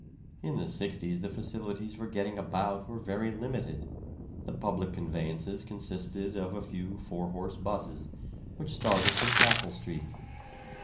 In the 'sixties the facilities for getting about were very limited. The public conveyances consisted of a few four horse 'buses, which started from Castle Street.